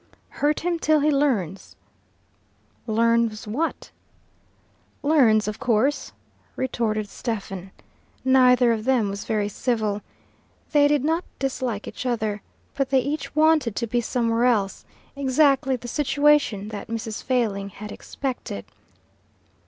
"Hurt him till he learns." "Learns what?" "Learns, of course," retorted Stephen. Neither of them was very civil. They did not dislike each other, but they each wanted to be somewhere else exactly the situation that Mrs. Failing had expected.